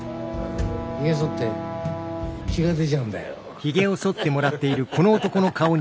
ひげそって血が出ちゃうんだよ。